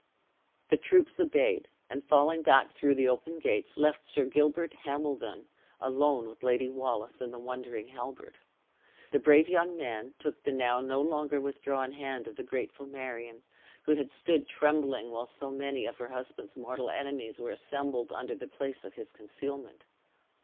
The troops obeyed, and falling back through the open gates, left Sir Gilbert Hambledon alone with Lady Wallace and the wondering Halbert. The brave young man took the now no longer withdrawn hand of the grateful Marion, who had stood trembling while so many of her husband's mortal enemies were assembled under the place of his concealment.